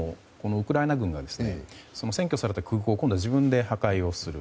ウクライナ軍が占拠された空港を今度は自分で破壊をする。